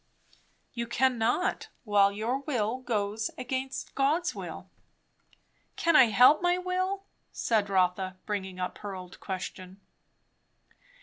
"You cannot, while your will goes against God's will." "Can I help my will?" said Rotha, bringing up her old question.